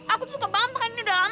aku suka banget makan hidang